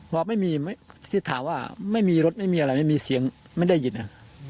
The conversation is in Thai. พอไม่มีที่ถามว่าไม่มีรถไม่มีอะไรไม่มีเสียงไม่ได้ยิน